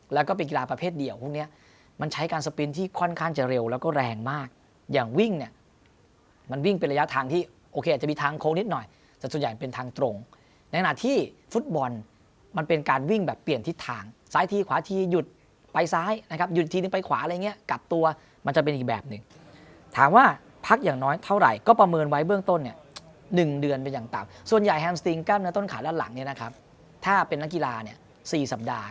แล้วก็เป็นกีฬาประเภทเดี่ยวพวกเนี้ยมันใช้การสปรินที่ค่อนข้างจะเร็วแล้วก็แรงมากอย่างวิ่งเนี้ยมันวิ่งเป็นระยะทางที่โอเคจะมีทางโค้งนิดหน่อยแต่ส่วนใหญ่เป็นทางตรงในขณะที่ฟุตบอลมันเป็นการวิ่งแบบเปลี่ยนทิศทางซ้ายทีขวาทีหยุดไปซ้ายนะครับหยุดทีนึงไปขวาอะไรอย่างเงี้ยกับตัวมันจะเป็นอี